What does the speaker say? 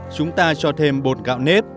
chúng ta cho thêm bột gạo nếp